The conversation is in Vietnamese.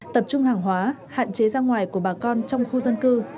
tập trung hàng hóa hạn chế ra ngoài của bà con trong khu dân cư